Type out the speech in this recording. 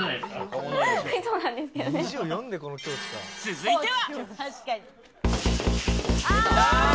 続いては。